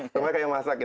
sama kayak mau masak